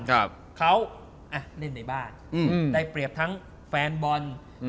ครับเขาอ่ะเล่นในบ้านอืมได้เปรียบทั้งแฟนบอลอืม